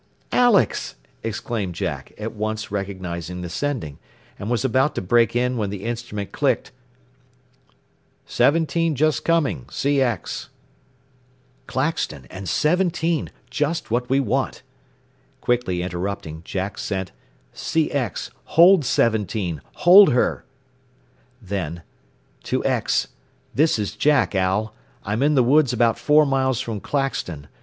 "Alex!" exclaimed Jack, at once recognizing the sending; and was about to break in when the instrument clicked, "17 just coming CX." "Claxton, and 17! Just what we want!" Quickly interrupting, Jack sent, "CX Hold 17! Hold her!" Then, "To X This is Jack, Al. I'm in the woods about four miles from Claxton.